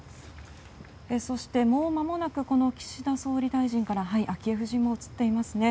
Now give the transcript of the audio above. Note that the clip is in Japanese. そして、もうまもなくこの岸田総理大臣から昭恵夫人も映っていますね。